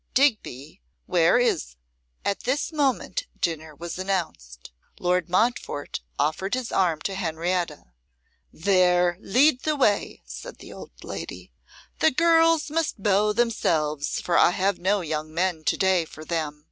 Digby, where is ' At this moment dinner was announced. Lord Montfort offered his arm to Henrietta. 'There, lead the way,' said the old lady; 'the girls must beau themselves, for I have no young men to day for them.